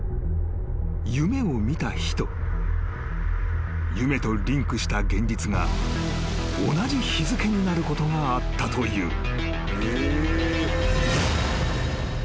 ［夢を見た日と夢とリンクした現実が同じ日付になることがあったという］